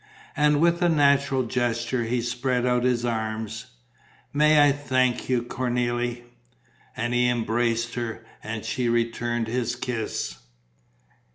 And with a natural gesture he spread out his arms: "May I thank you, Cornélie?" And he embraced her; and she returned his kiss.